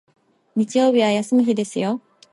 日曜日は休む日ですよ